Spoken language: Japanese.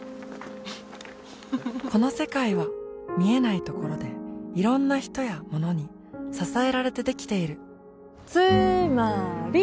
この世界は見えないところでいろんな人やものに支えられてできているつーまーり！